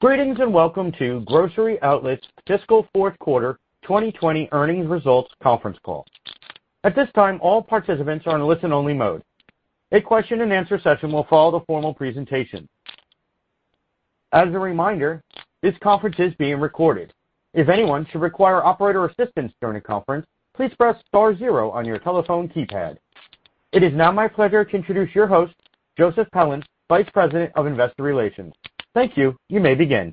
It is now my pleasure to introduce your host, Joseph Pelland, Vice President of Investor Relations. Thank you. You may begin.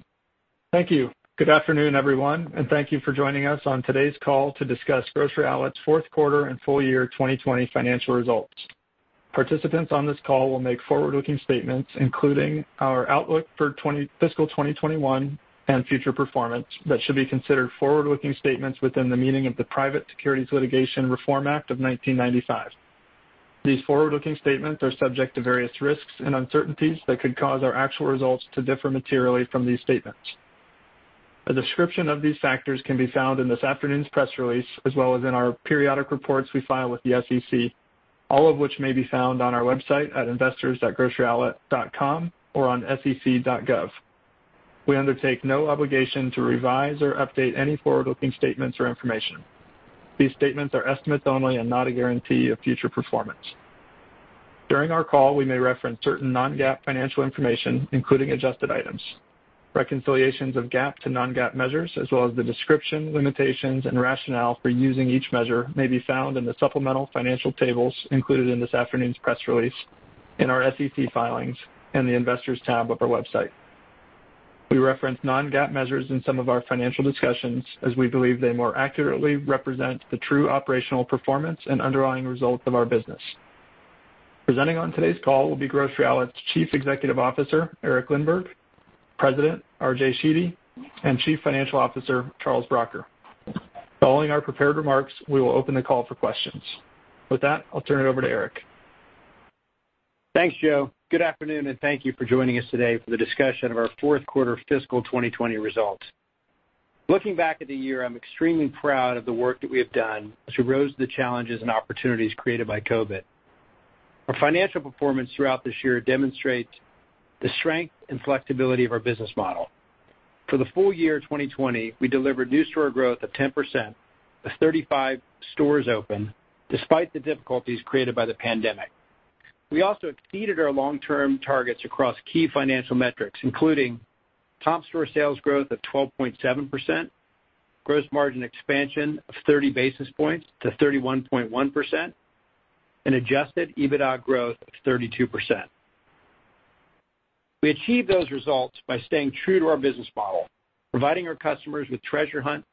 Thank you. Good afternoon, everyone, and thank you for joining us on today's call to discuss Grocery Outlet's fourth quarter and full year 2020 financial results. Participants on this call will make forward-looking statements, including our outlook for fiscal 2021 and future performance, that should be considered forward-looking statements within the meaning of the Private Securities Litigation Reform Act of 1995. These forward-looking statements are subject to various risks and uncertainties that could cause our actual results to differ materially from these statements. A description of these factors can be found in this afternoon's press release, as well as in our periodic reports we file with the SEC, all of which may be found on our website at investors.groceryoutlet.com or on sec.gov. We undertake no obligation to revise or update any forward-looking statements or information. These statements are estimates only and not a guarantee of future performance. During our call, we may reference certain non-GAAP financial information, including adjusted items. Reconciliations of GAAP to non-GAAP measures, as well as the description, limitations, and rationale for using each measure, may be found in the supplemental financial tables included in this afternoon's press release, in our SEC filings, and the Investors tab of our website. We reference non-GAAP measures in some of our financial discussions as we believe they more accurately represent the true operational performance and underlying results of our business. Presenting on today's call will be Grocery Outlet's Chief Executive Officer, Eric Lindberg, President, RJ Sheedy, and Chief Financial Officer, Charles Bracher. Following our prepared remarks, we will open the call for questions. With that, I'll turn it over to Eric. Thanks, Joe. Good afternoon, and thank you for joining us today for the discussion of our fourth quarter fiscal 2020 results. Looking back at the year, I'm extremely proud of the work that we have done to rose to the challenges and opportunities created by COVID. Our financial performance throughout this year demonstrates the strength and flexibility of our business model. For the full year 2020, we delivered new store growth of 10%, with 35 stores open, despite the difficulties created by the pandemic. We also exceeded our long-term targets across key financial metrics, including top store sales growth of 12.7%, gross margin expansion of 30 basis points to 31.1%, and adjusted EBITDA growth of 32%. We achieved those results by staying true to our business model, providing our customers with treasure hunts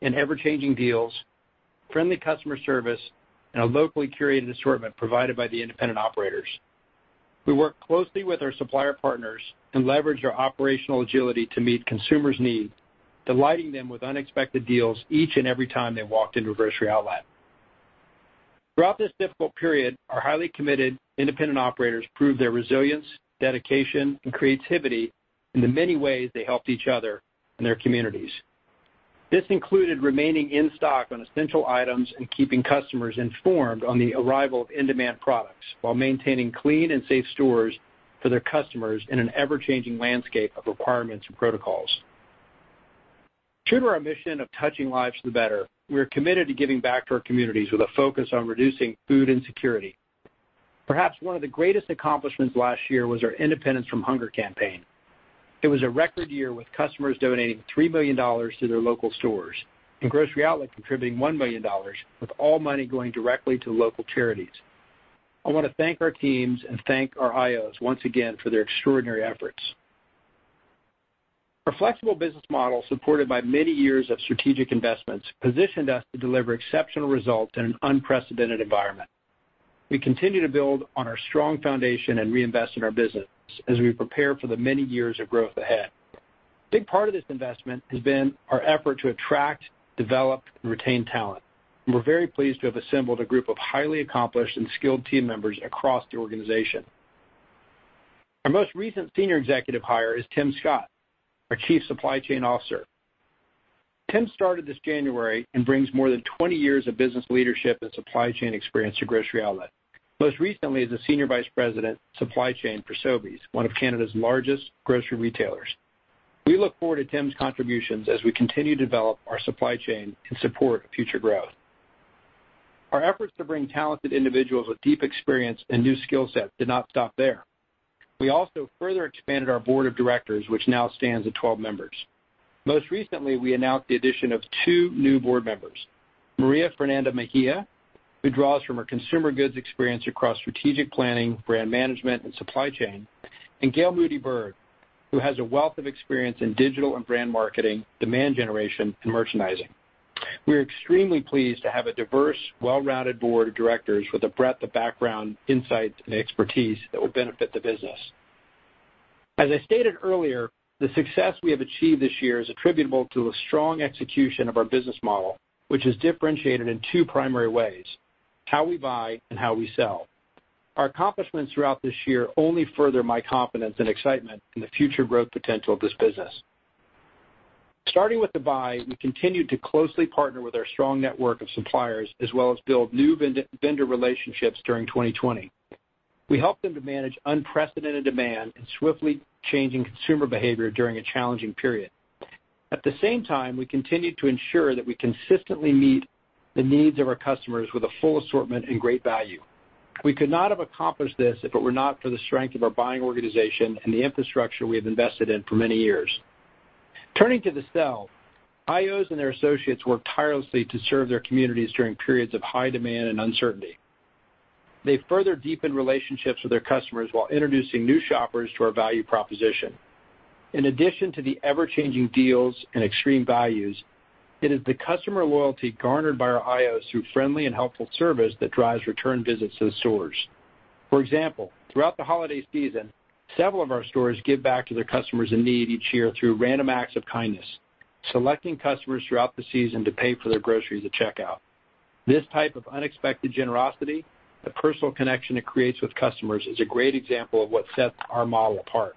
and ever-changing deals, friendly customer service, and a locally curated assortment provided by the independent operators. We work closely with our supplier partners and leverage our operational agility to meet consumers' needs, delighting them with unexpected deals each and every time they walked into Grocery Outlet. Throughout this difficult period, our highly committed independent operators proved their resilience, dedication, and creativity in the many ways they helped each other and their communities. This included remaining in stock on essential items and keeping customers informed on the arrival of in-demand products while maintaining clean and safe stores for their customers in an ever-changing landscape of requirements and protocols. True to our mission of touching lives for the better, we are committed to giving back to our communities with a focus on reducing food insecurity. Perhaps one of the greatest accomplishments last year was our Independence from Hunger campaign. It was a record year, with customers donating $3 million to their local stores and Grocery Outlet contributing $1 million, with all money going directly to local charities. I want to thank our teams and thank our IOs once again for their extraordinary efforts. Our flexible business model, supported by many years of strategic investments, positioned us to deliver exceptional results in an unprecedented environment. We continue to build on our strong foundation and reinvest in our business as we prepare for the many years of growth ahead. A big part of this investment has been our effort to attract, develop, and retain talent. We're very pleased to have assembled a group of highly accomplished and skilled team members across the organization. Our most recent senior executive hire is Tim Scott, our Chief Supply Chain Officer. Tim started this January and brings more than 20 years of business leadership and supply chain experience to Grocery Outlet, most recently as a Senior Vice President, Supply Chain, for Sobeys, one of Canada's largest grocery retailers. We look forward to Tim's contributions as we continue to develop our supply chain and support future growth. Our efforts to bring talented individuals with deep experience and new skill sets did not stop there. We also further expanded our board of directors, which now stands at 12 members. Most recently, we announced the addition of two new board members, María Fernanda Mejía, who draws from her consumer goods experience across strategic planning, brand management, and supply chain, and Gail Moody-Byrd, who has a wealth of experience in digital and brand marketing, demand generation, and merchandising. We are extremely pleased to have a diverse, well-rounded board of directors with a breadth of background, insight, and expertise that will benefit the business. As I stated earlier, the success we have achieved this year is attributable to a strong execution of our business model, which is differentiated in two primary ways, how we buy and how we sell. Our accomplishments throughout this year only further my confidence and excitement in the future growth potential of this business. Starting with the buy, we continued to closely partner with our strong network of suppliers, as well as build new vendor relationships during 2020. We helped them to manage unprecedented demand and swiftly changing consumer behavior during a challenging period. At the same time, we continued to ensure that we consistently meet the needs of our customers with a full assortment and great value. We could not have accomplished this if it were not for the strength of our buying organization and the infrastructure we have invested in for many years. Turning to the sell, IOs and their associates worked tirelessly to serve their communities during periods of high demand and uncertainty. They further deepened relationships with their customers while introducing new shoppers to our value proposition. In addition to the ever-changing deals and extreme values, it is the customer loyalty garnered by our IOs through friendly and helpful service that drives return visits to the stores. For example, throughout the holiday season, several of our stores give back to their customers in need each year through random acts of kindness, selecting customers throughout the season to pay for their groceries at checkout. This type of unexpected generosity, the personal connection it creates with customers, is a great example of what sets our model apart.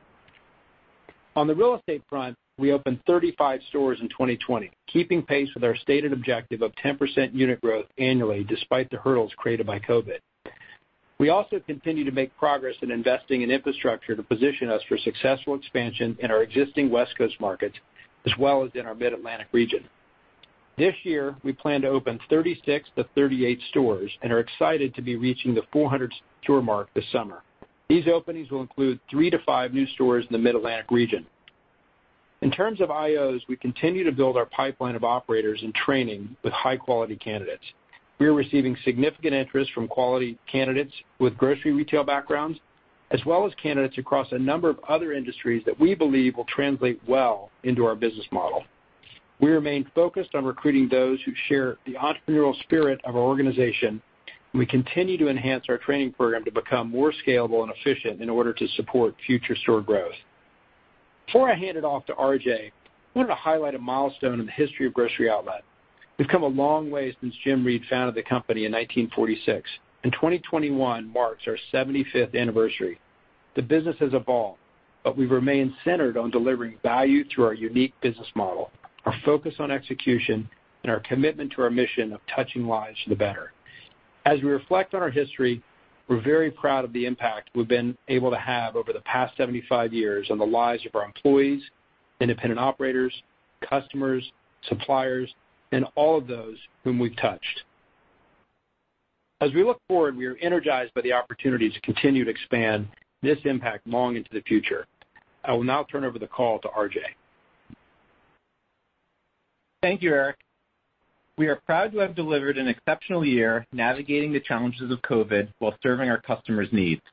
On the real estate front, we opened 35 stores in 2020, keeping pace with our stated objective of 10% unit growth annually, despite the hurdles created by COVID. We also continue to make progress in investing in infrastructure to position us for successful expansion in our existing West Coast markets, as well as in our Mid-Atlantic region. This year, we plan to open 36 to 38 stores and are excited to be reaching the 400 store mark this summer. These openings will include three to five new stores in the Mid-Atlantic region. In terms of IOs, we continue to build our pipeline of operators in training with high-quality candidates. We are receiving significant interest from quality candidates with grocery retail backgrounds, as well as candidates across a number of other industries that we believe will translate well into our business model. We remain focused on recruiting those who share the entrepreneurial spirit of our organization, and we continue to enhance our training program to become more scalable and efficient in order to support future store growth. Before I hand it off to RJ, I wanted to highlight a milestone in the history of Grocery Outlet. We've come a long way since Jim Read founded the company in 1946, and 2021 marks our 75th anniversary. The business has evolved, but we remain centered on delivering value through our unique business model, our focus on execution, and our commitment to our mission of touching lives for the better. As we reflect on our history, we're very proud of the impact we've been able to have over the past 75 years on the lives of our employees, independent operators, customers, suppliers, and all of those whom we've touched. As we look forward, we are energized by the opportunity to continue to expand this impact long into the future. I will now turn over the call to RJ. Thank you, Eric. We are proud to have delivered an exceptional year navigating the challenges of COVID while serving our customers' needs.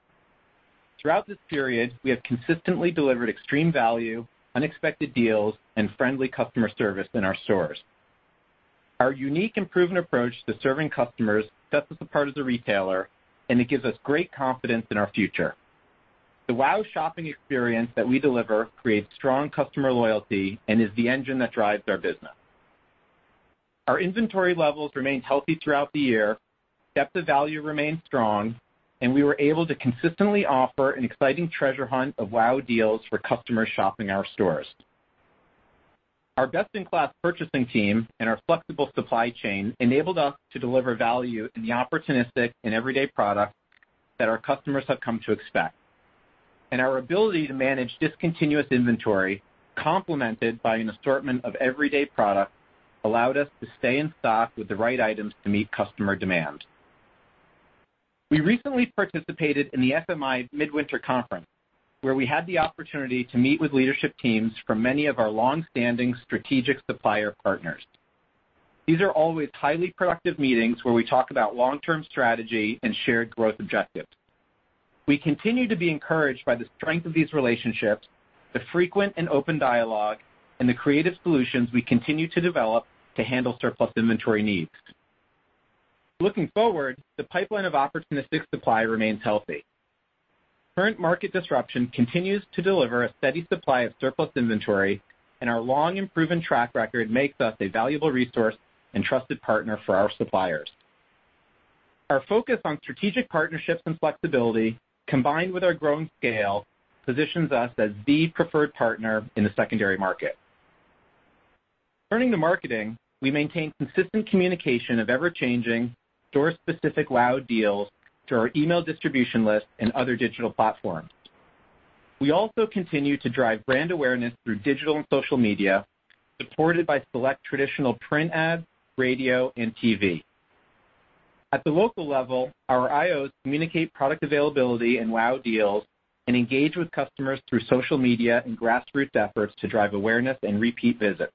Throughout this period, we have consistently delivered extreme value, unexpected deals, and friendly customer service in our stores. Our unique and proven approach to serving customers sets us apart as a retailer, and it gives us great confidence in our future. The wow shopping experience that we deliver creates strong customer loyalty and is the engine that drives our business. Our inventory levels remained healthy throughout the year, depth of value remained strong, and we were able to consistently offer an exciting treasure hunt of wow deals for customers shopping our stores. Our best-in-class purchasing team and our flexible supply chain enabled us to deliver value in the opportunistic and everyday products that our customers have come to expect. Our ability to manage discontinuous inventory, complemented by an assortment of everyday products, allowed us to stay in stock with the right items to meet customer demand. We recently participated in the FMI Midwinter Conference, where we had the opportunity to meet with leadership teams from many of our long-standing strategic supplier partners. These are always highly productive meetings where we talk about long-term strategy and shared growth objectives. We continue to be encouraged by the strength of these relationships, the frequent and open dialogue, and the creative solutions we continue to develop to handle surplus inventory needs. Looking forward, the pipeline of opportunistic supply remains healthy. Current market disruption continues to deliver a steady supply of surplus inventory, and our long and proven track record makes us a valuable resource and trusted partner for our suppliers. Our focus on strategic partnerships and flexibility, combined with our growing scale, positions us as the preferred partner in the secondary market. Turning to marketing, we maintain consistent communication of ever-changing, store-specific wow deals to our email distribution list and other digital platforms. We also continue to drive brand awareness through digital and social media, supported by select traditional print ads, radio, and TV. At the local level, our IOs communicate product availability and wow deals and engage with customers through social media and grassroots efforts to drive awareness and repeat visits.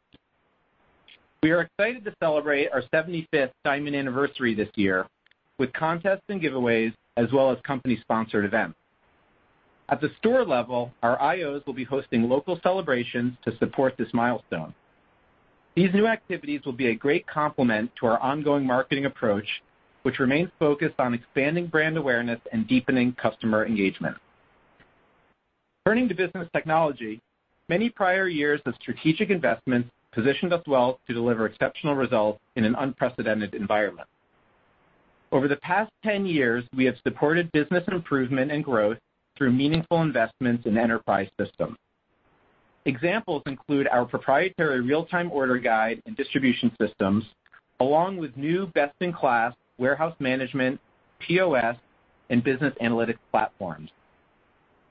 We are excited to celebrate our 75th diamond anniversary this year with contests and giveaways, as well as company-sponsored events. At the store level, our IOs will be hosting local celebrations to support this milestone. These new activities will be a great complement to our ongoing marketing approach, which remains focused on expanding brand awareness and deepening customer engagement. Turning to business technology, many prior years of strategic investments positioned us well to deliver exceptional results in an unprecedented environment. Over the past 10 years, we have supported business improvement and growth through meaningful investments in enterprise systems. Examples include our proprietary real-time order guide and distribution systems, along with new best-in-class warehouse management, POS, and business analytics platforms.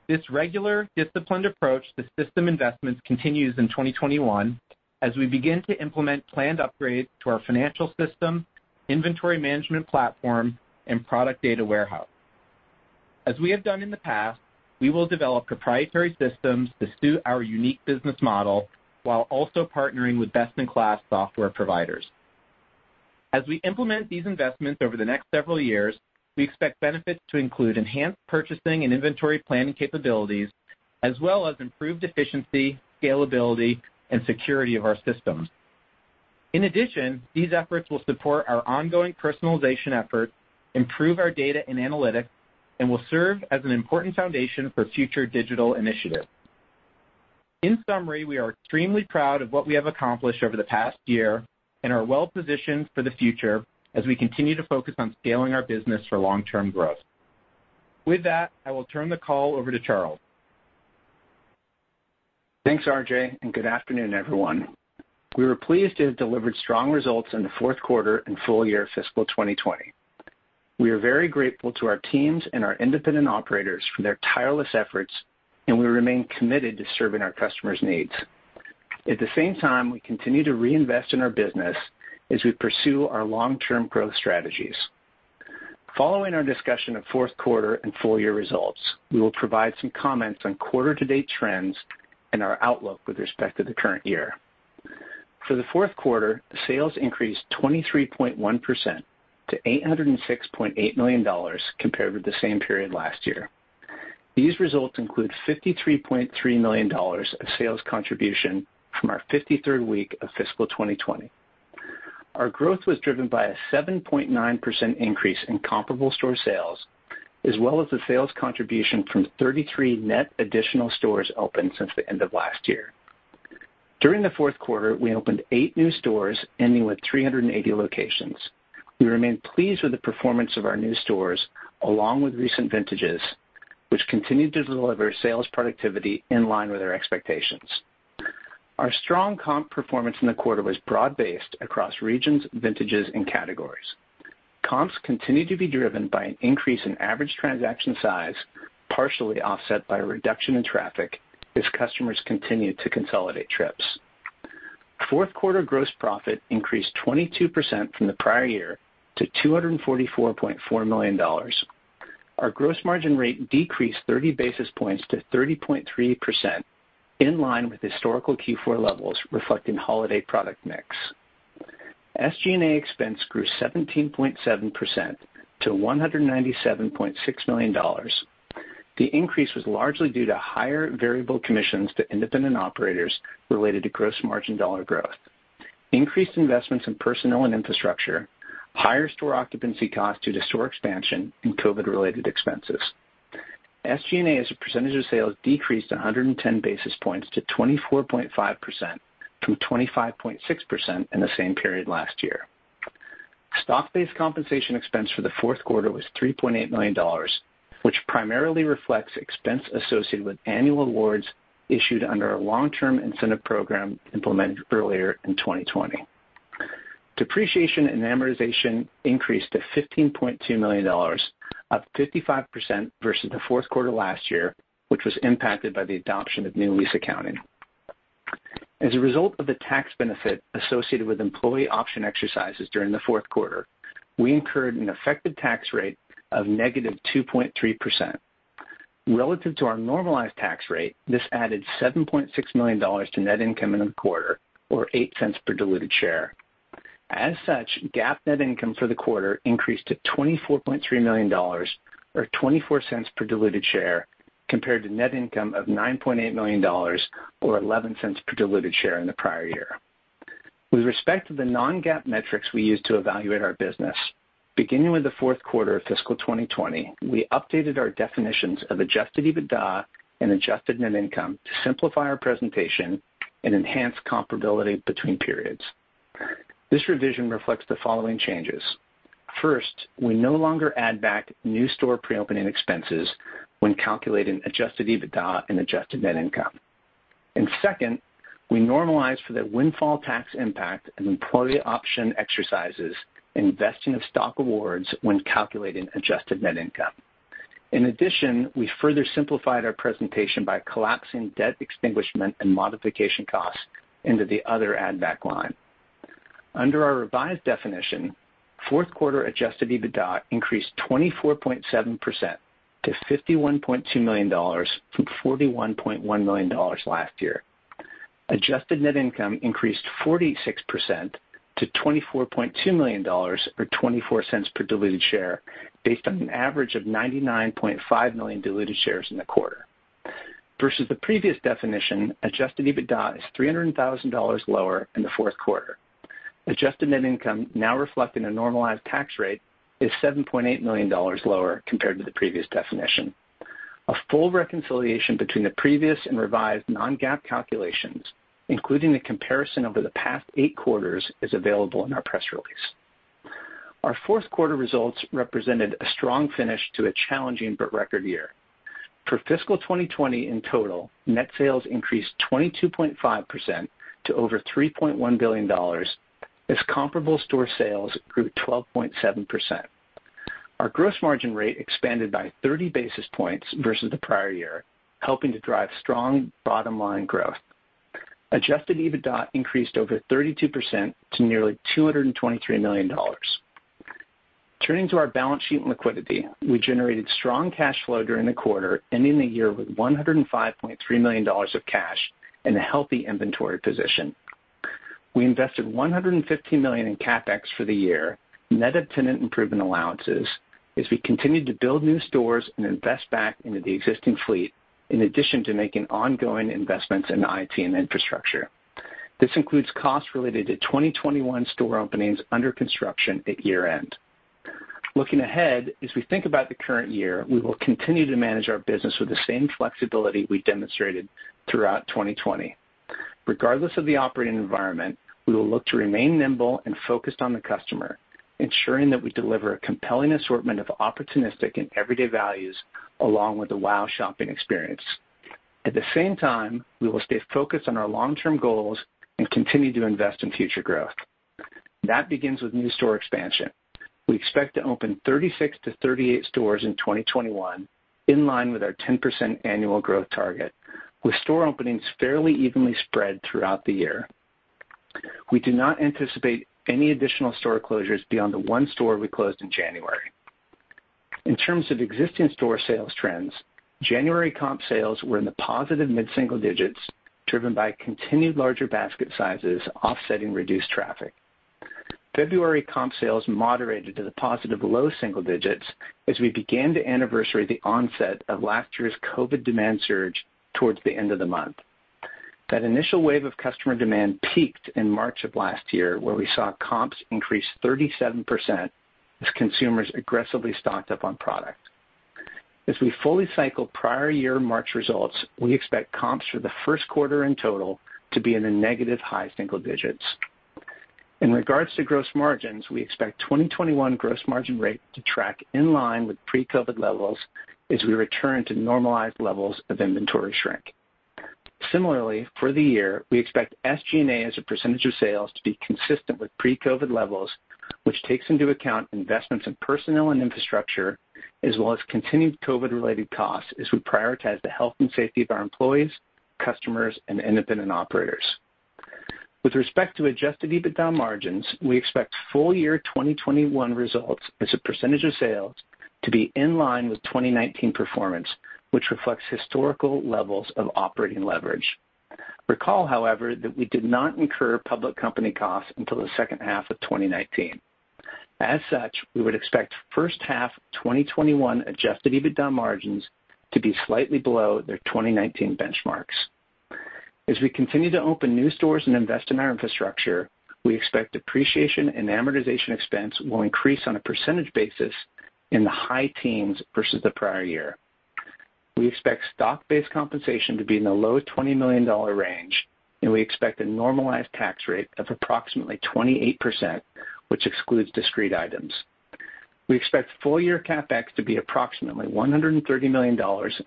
This regular, disciplined approach to system investments continues in 2021, as we begin to implement planned upgrades to our financial system, inventory management platform, and product data warehouse. As we have done in the past, we will develop proprietary systems to suit our unique business model while also partnering with best-in-class software providers. As we implement these investments over the next several years, we expect benefits to include enhanced purchasing and inventory planning capabilities, as well as improved efficiency, scalability, and security of our systems. In addition, these efforts will support our ongoing personalization efforts, improve our data and analytics, and will serve as an important foundation for future digital initiatives. In summary, we are extremely proud of what we have accomplished over the past year and are well positioned for the future as we continue to focus on scaling our business for long-term growth. With that, I will turn the call over to Charles. Thanks, RJ, and good afternoon, everyone. We were pleased to have delivered strong results in the fourth quarter and full year of fiscal 2020. We are very grateful to our teams and our independent operators for their tireless efforts, and we remain committed to serving our customers' needs. At the same time, we continue to reinvest in our business as we pursue our long-term growth strategies. Following our discussion of fourth quarter and full-year results, we will provide some comments on quarter-to-date trends and our outlook with respect to the current year. For the fourth quarter, sales increased 23.1% to $806.8 million compared with the same period last year. These results include $53.3 million of sales contribution from our 53rd week of fiscal 2020. Our growth was driven by a 7.9% increase in comparable store sales, as well as the sales contribution from 33 net additional stores opened since the end of last year. During the fourth quarter, we opened eight new stores, ending with 380 locations. We remain pleased with the performance of our new stores, along with recent vintages, which continued to deliver sales productivity in line with our expectations. Our strong comp performance in the quarter was broad-based across regions, vintages, and categories. Comps continued to be driven by an increase in average transaction size, partially offset by a reduction in traffic as customers continued to consolidate trips. Fourth quarter gross profit increased 22% from the prior year to $244.4 million. Our gross margin rate decreased 30 basis points to 30.3%, in line with historical Q4 levels, reflecting holiday product mix. SG&A expense grew 17.7% to $197.6 million. The increase was largely due to higher variable commissions to independent operators related to gross margin dollar growth, increased investments in personnel and infrastructure, higher store occupancy costs due to store expansion, and COVID-related expenses. SG&A as a percentage of sales decreased 110 basis points to 24.5% from 25.6% in the same period last year. Stock-based compensation expense for the fourth quarter was $3.8 million, which primarily reflects expense associated with annual awards issued under our long-term incentive program implemented earlier in 2020. Depreciation and amortization increased to $15.2 million, up 55% versus the fourth quarter last year, which was impacted by the adoption of new lease accounting. As a result of the tax benefit associated with employee option exercises during the fourth quarter, we incurred an effective tax rate of -2.3%. Relative to our normalized tax rate, this added $7.6 million to net income in the quarter, or $0.08 per diluted share. As such, GAAP net income for the quarter increased to $24.3 million, or $0.24 per diluted share, compared to net income of $9.8 million, or $0.11 per diluted share in the prior year. With respect to the non-GAAP metrics we use to evaluate our business, beginning with the fourth quarter of fiscal 2020, we updated our definitions of adjusted EBITDA and adjusted net income to simplify our presentation and enhance comparability between periods. This revision reflects the following changes. First, we no longer add back new store pre-opening expenses when calculating adjusted EBITDA and adjusted net income. Second, we normalize for the windfall tax impact and employee option exercises and vesting of stock awards when calculating adjusted net income. In addition, we further simplified our presentation by collapsing debt extinguishment and modification costs into the other add back line. Under our revised definition, fourth quarter adjusted EBITDA increased 24.7% to $51.2 million from $41.1 million last year. Adjusted net income increased 46% to $24.2 million, or $0.24 per diluted share, based on an average of 99.5 million diluted shares in the quarter. Versus the previous definition, adjusted EBITDA is $300,000 lower in the fourth quarter. Adjusted net income, now reflecting a normalized tax rate, is $7.8 million lower compared to the previous definition. A full reconciliation between the previous and revised non-GAAP calculations, including the comparison over the past eight quarters, is available in our press release. Our fourth quarter results represented a strong finish to a challenging but record year. For fiscal 2020 in total, net sales increased 22.5% to over $3.1 billion, as comparable store sales grew 12.7%. Our gross margin rate expanded by 30 basis points versus the prior year, helping to drive strong bottom-line growth. Adjusted EBITDA increased over 32% to nearly $223 million. Turning to our balance sheet and liquidity, we generated strong cash flow during the quarter and ending the year with $105.3 million of cash and a healthy inventory position. We invested $115 million in CapEx for the year, net of tenant improvement allowances, as we continued to build new stores and invest back into the existing fleet, in addition to making ongoing investments in IT and infrastructure. This includes costs related to 2021 store openings under construction at year-end. Looking ahead, as we think about the current year, we will continue to manage our business with the same flexibility we demonstrated throughout 2020. Regardless of the operating environment, we will look to remain nimble and focused on the customer, ensuring that we deliver a compelling assortment of opportunistic and everyday values, along with a wow shopping experience. At the same time, we will stay focused on our long-term goals and continue to invest in future growth. That begins with new store expansion. We expect to open 36 to 38 stores in 2021, in line with our 10% annual growth target, with store openings fairly evenly spread throughout the year. We do not anticipate any additional store closures beyond the one store we closed in January. In terms of existing store sales trends, January comp sales were in the positive mid-single digits, driven by continued larger basket sizes offsetting reduced traffic. February comp sales moderated to the positive low single digits as we began to anniversary the onset of last year's COVID demand surge towards the end of the month. That initial wave of customer demand peaked in March of last year, where we saw comps increase 37% as consumers aggressively stocked up on product. As we fully cycle prior year March results, we expect comps for the first quarter in total to be in the negative high single digits. In regards to gross margins, we expect 2021 gross margin rate to track in line with pre-COVID levels as we return to normalized levels of inventory shrink. Similarly, for the year, we expect SG&A as a percentage of sales to be consistent with pre-COVID levels, which takes into account investments in personnel and infrastructure, as well as continued COVID related costs as we prioritize the health and safety of our employees, customers, and independent operators. With respect to adjusted EBITDA margins, we expect full year 2021 results as a percentage of sales to be in line with 2019 performance, which reflects historical levels of operating leverage. Recall, however, that we did not incur public company costs until the second half of 2019. As such, we would expect first half 2021 adjusted EBITDA margins to be slightly below their 2019 benchmarks. As we continue to open new stores and invest in our infrastructure, we expect depreciation and amortization expense will increase on a percentage basis in the high teens versus the prior year. We expect stock-based compensation to be in the low $20 million range. We expect a normalized tax rate of approximately 28%, which excludes discrete items. We expect full year CapEx to be approximately $130 million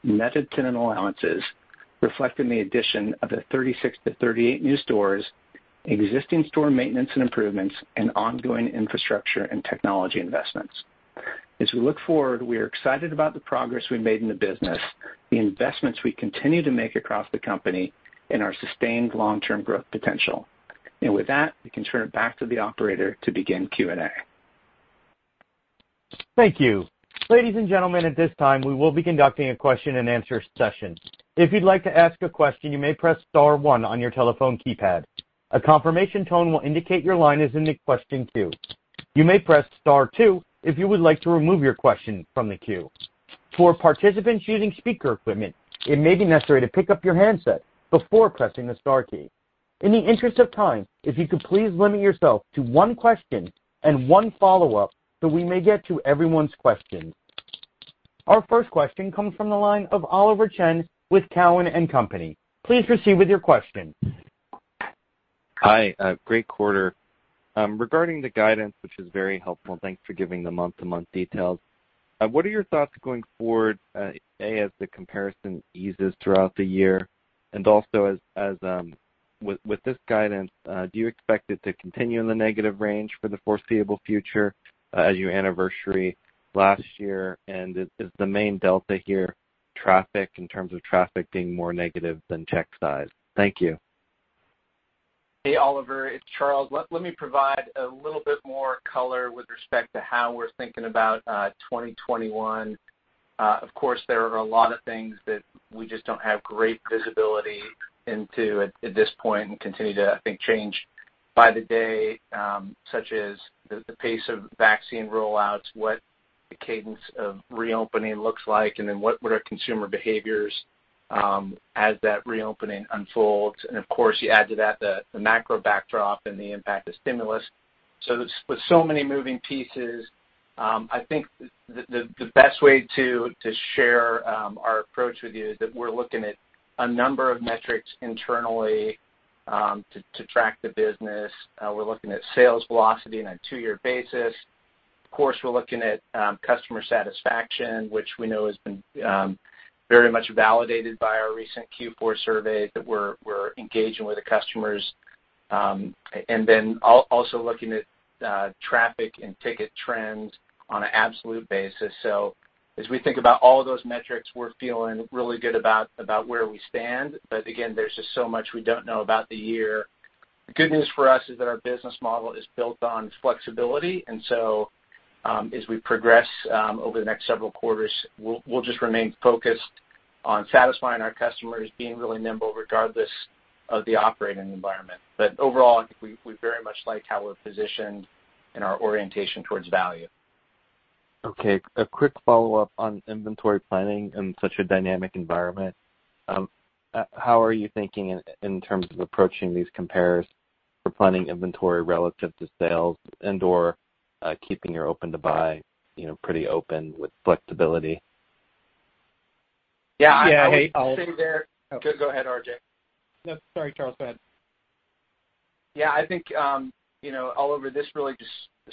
net of tenant allowances, reflecting the addition of the 36 to 38 new stores, existing store maintenance and improvements, and ongoing infrastructure and technology investments. As we look forward, we are excited about the progress we made in the business, the investments we continue to make across the company, and our sustained long-term growth potential. With that, we can turn it back to the operator to begin Q&A. Thank you. Ladies and gentlemen, at this time, we will be conducting a question and answer session. If you'd like to ask a question, you may press star one on your telephone keypad. A confirmation tone will indicate your line is in the question queue. You may press star two if you would like to remove your question from the queue. For participants using speaker equipment, it may be necessary to pick up your handset before pressing the star key. In the interest of time, if you could please limit yourself to one question and one follow-up, so we may get to everyone's questions. Our first question comes from the line of Oliver Chen with Cowen and Company. Please proceed with your question. Hi. Great quarter. Regarding the guidance, which is very helpful, thanks for giving the month-to-month details. What are your thoughts going forward, A, as the comparison eases throughout the year, and also with this guidance, do you expect it to continue in the negative range for the foreseeable future as you anniversary last year? Is the main delta here traffic in terms of traffic being more negative than check size? Thank you. Hey, Oliver, it's Charles. Let me provide a little bit more color with respect to how we're thinking about 2021. Of course, there are a lot of things that we just don't have great visibility into at this point and continue to, I think, change by the day, such as the pace of vaccine rollouts, what the cadence of reopening looks like, and then what are consumer behaviors as that reopening unfolds. Of course, you add to that the macro backdrop and the impact of stimulus. With so many moving pieces, I think the best way to share our approach with you is that we're looking at a number of metrics internally to track the business. We're looking at sales velocity on a two-year basis. Of course, we're looking at customer satisfaction, which we know has been very much validated by our recent Q4 survey, that we're engaging with the customers. Also looking at traffic and ticket trends on an absolute basis. As we think about all those metrics, we're feeling really good about where we stand. Again, there's just so much we don't know about the year. The good news for us is that our business model is built on flexibility. As we progress over the next several quarters, we'll just remain focused on satisfying our customers, being really nimble regardless of the operating environment. Overall, I think we very much like how we're positioned and our orientation towards value. Okay. A quick follow-up on inventory planning in such a dynamic environment. How are you thinking in terms of approaching these compares for planning inventory relative to sales and/or keeping your open to buy pretty open with flexibility? Yeah. Yeah. Hey, Go ahead, RJ. No, sorry, Charles. Go ahead. I think, Oliver, this really just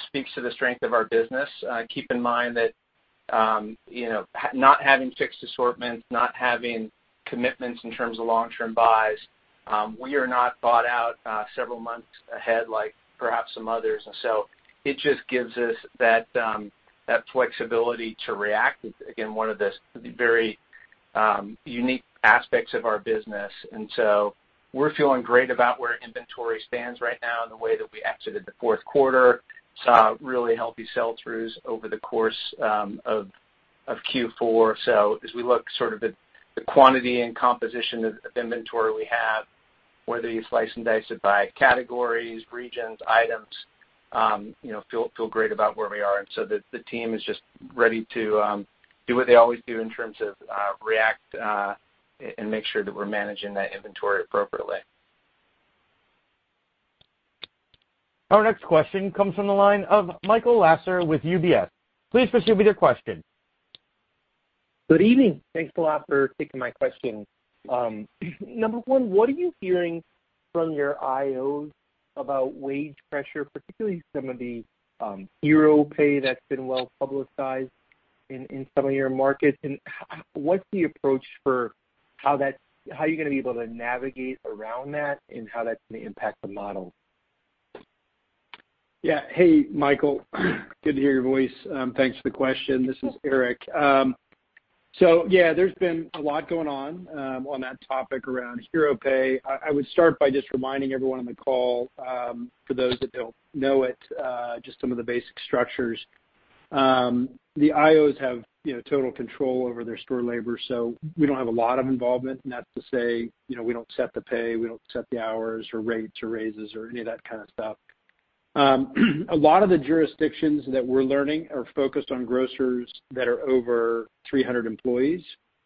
speaks to the strength of our business. Keep in mind that not having fixed assortments, not having commitments in terms of long-term buys, we are not bought out several months ahead like perhaps some others. It just gives us that flexibility to react. It's, again, one of the very unique aspects of our business. We're feeling great about where inventory stands right now and the way that we exited the fourth quarter, saw really healthy sell-throughs over the course of Q4. As we look sort of at the quantity and composition of inventory we have, whether you slice and dice it by categories, regions, items, feel great about where we are. The team is just ready to do what they always do in terms of react, and make sure that we're managing that inventory appropriately. Our next question comes from the line of Michael Lasser with UBS. Please proceed with your question. Good evening. Thanks a lot for taking my question. Number one, what are you hearing from your IOs about wage pressure, particularly some of the hero pay that's been well-publicized in some of your markets, and what's the approach for how you're going to be able to navigate around that and how that's going to impact the model? Yeah. Hey, Michael. Good to hear your voice. Thanks for the question. This is Eric. Yeah, there's been a lot going on that topic around hero pay. I would start by just reminding everyone on the call, for those that don't know it, just some of the basic structures. The IOs have total control over their store labor, so we don't have a lot of involvement. That's to say, we don't set the pay, we don't set the hours or rates or raises or any of that kind of stuff. A lot of the jurisdictions that we're learning are focused on grocers that are over 300 employees.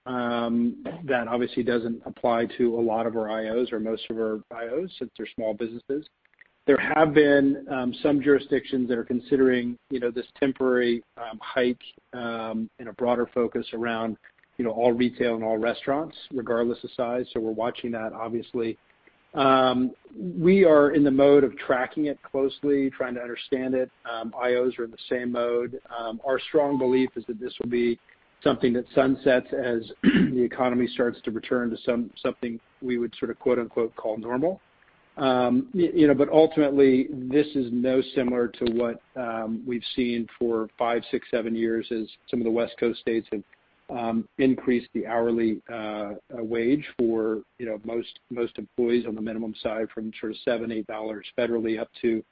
That obviously doesn't apply to a lot of our IOs or most of our IOs since they're small businesses. There have been some jurisdictions that are considering this temporary hike, and a broader focus around all retail and all restaurants, regardless of size. We're watching that, obviously. We are in the mode of tracking it closely, trying to understand it. IOs are in the same mode. Our strong belief is that this will be something that sunsets as the economy starts to return to something we would sort of "call normal". Ultimately, this is no similar to what we've seen for five, six, seven years as some of the West Coast states have increased the hourly wage for most employees on the minimum side from sort of $7, $8 federally up to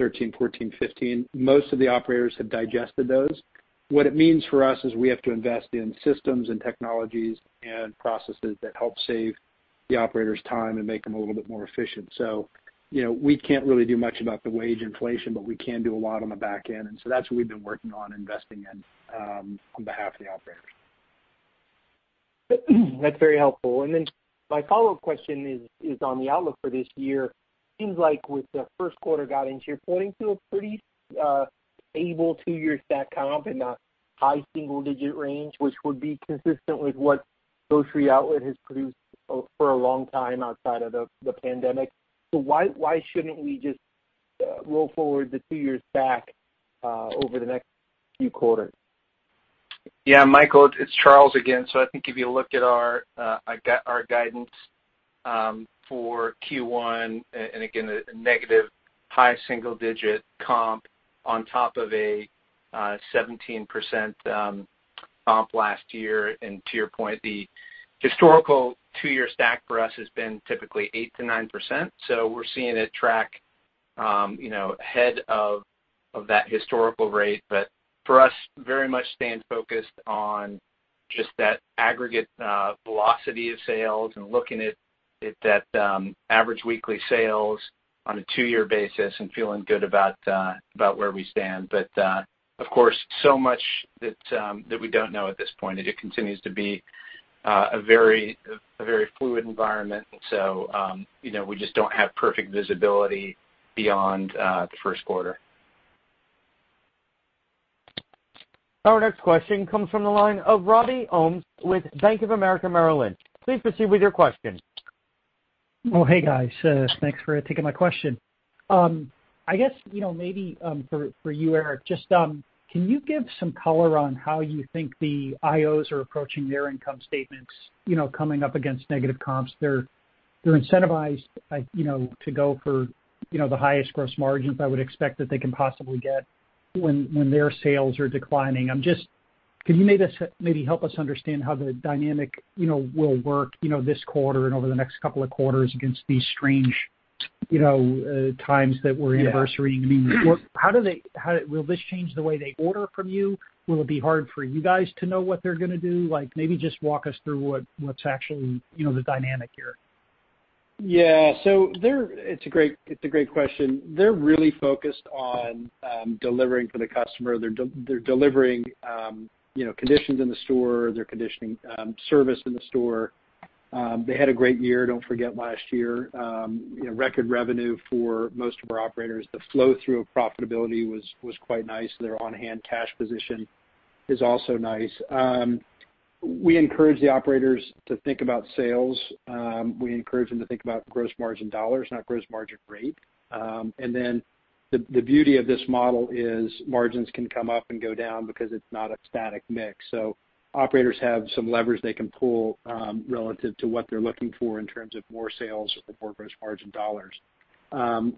$13, $14, $15. Most of the operators have digested those. What it means for us is we have to invest in systems and technologies and processes that help save the operators time and make them a little bit more efficient. We can't really do much about the wage inflation, but we can do a lot on the back end. That's what we've been working on investing in, on behalf of the operators. That's very helpful. My follow-up question is on the outlook for this year. Seems like with the first quarter guidance, you're pointing to a pretty stable two-year stack comp in the high single-digit range, which would be consistent with what Grocery Outlet has produced for a long time outside of the pandemic. Why shouldn't we just roll forward the two years back over the next few quarters? Yeah. Michael, it's Charles again. I think if you look at our guidance for Q1, a negative high single digit comp on top of a 17% comp last year. To your point, the historical two-year stack for us has been typically 8%-9%. We're seeing it track ahead of that historical rate. For us, very much staying focused on just that aggregate velocity of sales and looking at that average weekly sales on a two-year basis and feeling good about where we stand. Of course, so much that we don't know at this point. It just continues to be a very fluid environment. We just don't have perfect visibility beyond the first quarter. Our next question comes from the line of Robbie Ohmes with Bank of America Merrill Lynch. Please proceed with your question. Oh, hey, guys. Thanks for taking my question. I guess, maybe, for you, Eric, just can you give some color on how you think the IOs are approaching their income statements coming up against negative comps? They're incentivized to go for the highest gross margins, I would expect, that they can possibly get when their sales are declining. Can you maybe help us understand how the dynamic will work this quarter and over the next couple of quarters against these strange times that we're anniversarying? Yeah. Will this change the way they order from you? Will it be hard for you guys to know what they're going to do? Maybe just walk us through what's actually the dynamic here. It's a great question. They're really focused on delivering for the customer. They're delivering conditions in the store. They're conditioning service in the store. They had a great year, don't forget, last year. Record revenue for most of our operators. The flow-through of profitability was quite nice. Their on-hand cash position is also nice. We encourage the operators to think about sales. We encourage them to think about gross margin dollars, not gross margin rate. The beauty of this model is margins can come up and go down because it's not a static mix. Operators have some leverage they can pull relative to what they're looking for in terms of more sales or more gross margin dollars.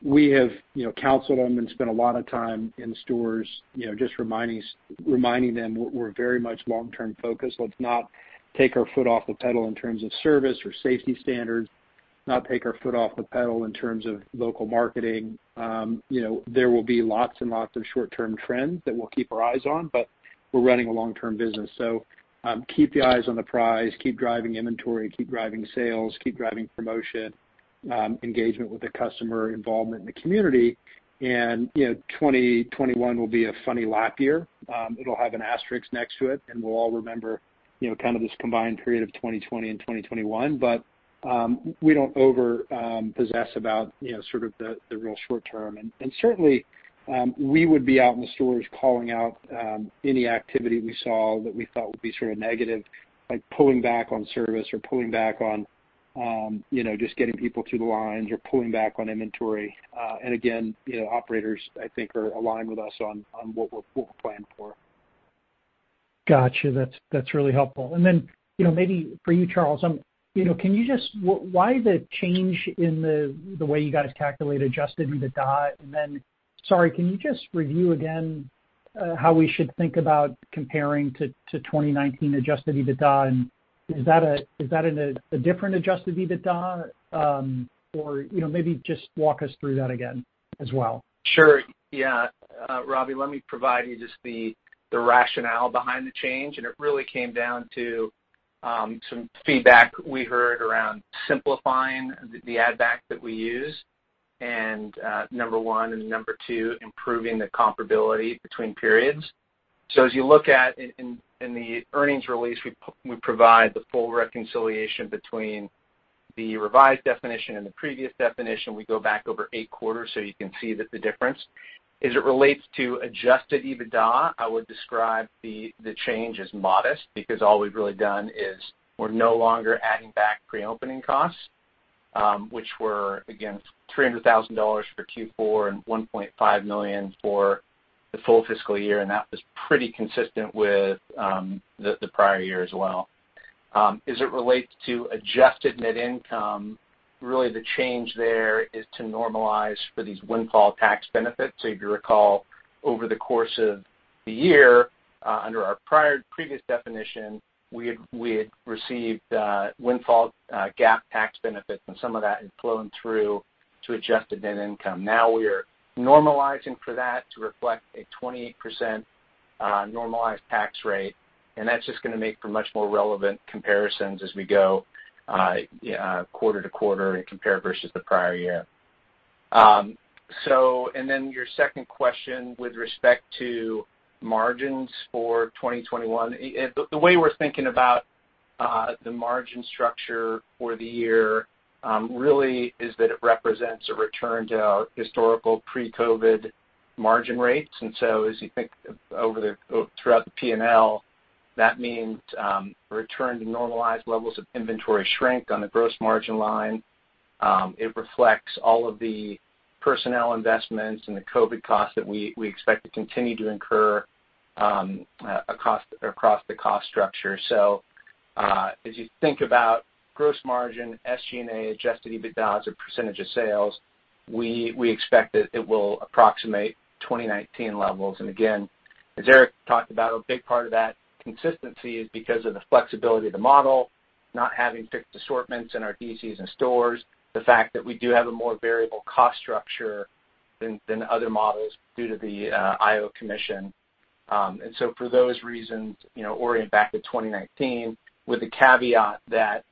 We have counseled them and spent a lot of time in stores just reminding them we're very much long-term focused. Let's not take our foot off the pedal in terms of service or safety standards, not take our foot off the pedal in terms of local marketing. There will be lots and lots of short-term trends that we'll keep our eyes on, we're running a long-term business. Keep the eyes on the prize, keep driving inventory, keep driving sales, keep driving promotion, engagement with the customer, involvement in the community. 2021 will be a funny lap year. It'll have an asterisk next to it, and we'll all remember kind of this combined period of 2020 and 2021. We don't over obsess about sort of the real short term. Certainly, we would be out in the stores calling out any activity we saw that we thought would be sort of negative, like pulling back on service or pulling back on just getting people through the lines or pulling back on inventory. Again, operators, I think, are aligned with us on what we'll plan for. Got you. That's really helpful. Maybe for you, Charles, why the change in the way you guys calculate adjusted EBITDA? Sorry, can you just review again how we should think about comparing to 2019 adjusted EBITDA, and is that a different adjusted EBITDA? Maybe just walk us through that again as well. Sure. Yeah. Robbie, let me provide you just the rationale behind the change, and it really came down to some feedback we heard around simplifying the add back that we use. Number one and number two, improving the comparability between periods. As you look at in the earnings release, we provide the full reconciliation between the revised definition and the previous definition. We go back over eight quarters, so you can see the difference. As it relates to adjusted EBITDA, I would describe the change as modest because all we've really done is we're no longer adding back pre-opening costs, which were, again, $300,000 for Q4 and $1.5 million for the full fiscal year. That was pretty consistent with the prior year as well. As it relates to adjusted net income, really the change there is to normalize for these windfall tax benefits. If you recall, over the course of the year, under our previous definition, we had received windfall GAAP tax benefits, and some of that had flown through to adjusted net income. Now we are normalizing for that to reflect a 28% normalized tax rate, and that's just going to make for much more relevant comparisons as we go quarter to quarter and compare versus the prior year. Your second question with respect to margins for 2021. The way we're thinking about the margin structure for the year, really, is that it represents a return to historical pre-COVID margin rates. As you think throughout the P&L, that means return to normalized levels of inventory shrink on the gross margin line. It reflects all of the personnel investments and the COVID costs that we expect to continue to incur across the cost structure. As you think about gross margin, SG&A, adjusted EBITDA, or percentage of sales, we expect that it will approximate 2019 levels. Again, as Eric talked about, a big part of that consistency is because of the flexibility of the model, not having fixed assortments in our DCs and stores, the fact that we do have a more variable cost structure than other models due to the IO commission. For those reasons, orient back to 2019 with the caveat that,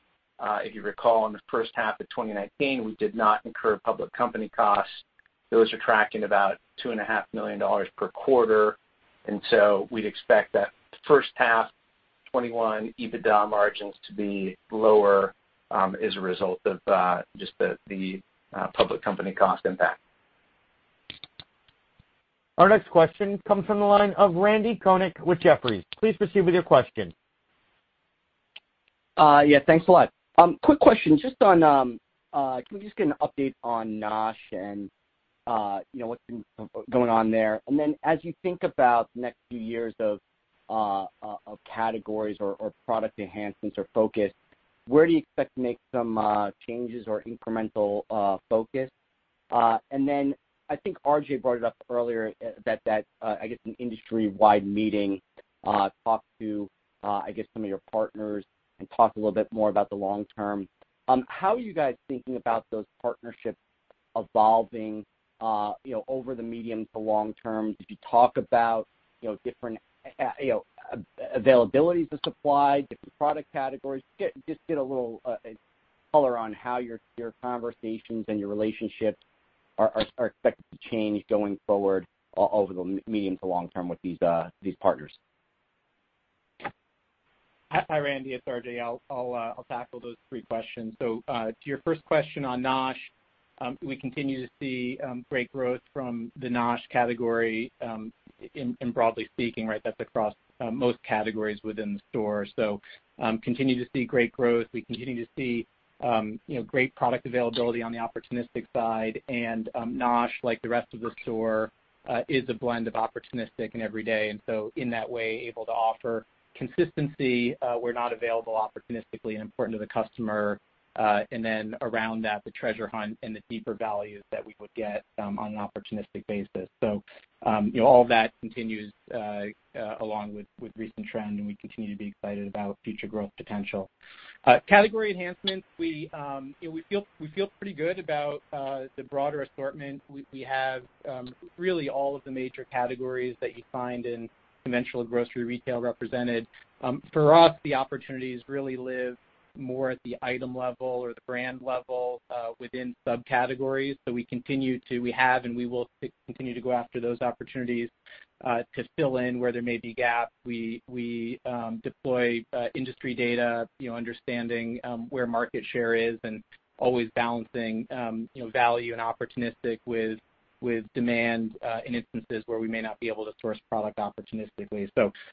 if you recall, in the first half of 2019, we did not incur public company costs Those are tracking about $2.5 million per quarter. We'd expect that first half 2021 EBITDA margins to be lower as a result of just the public company cost impact. Our next question comes from the line of Randy Konik with Jefferies. Please proceed with your question. Yeah, thanks a lot. Quick question. Can we just get an update on NOSH and what's been going on there? As you think about the next few years of categories or product enhancements or focus, where do you expect to make some changes or incremental focus? I think RJ brought it up earlier that, I guess, an industry-wide meeting talked to, I guess, some of your partners and talked a little bit more about the long term. How are you guys thinking about those partnerships evolving over the medium to long term? Did you talk about different availabilities of supply, different product categories? Get a little color on how your conversations and your relationships are expected to change going forward over the medium to long term with these partners. Hi, Randy. It's RJ. I'll tackle those three questions. To your first question on NOSH, we continue to see great growth from the NOSH category, and broadly speaking, that's across most categories within the store. Continue to see great growth. We continue to see great product availability on the opportunistic side. NOSH, like the rest of the store, is a blend of opportunistic and everyday, and so in that way, able to offer consistency where not available opportunistically and important to the customer. Around that, the treasure hunt and the deeper values that we would get on an opportunistic basis. All of that continues along with recent trend, and we continue to be excited about future growth potential. Category enhancements, we feel pretty good about the broader assortment. We have really all of the major categories that you find in conventional grocery retail represented. For us, the opportunities really live more at the item level or the brand level within subcategories. We have, and we will continue to go after those opportunities to fill in where there may be gaps. We deploy industry data, understanding where market share is, and always balancing value and opportunistic with demand in instances where we may not be able to source product opportunistically.